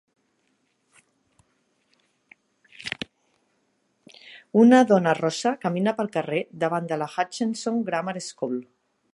Una dona rossa camina pel carrer davant de la Hutchesons Grammar School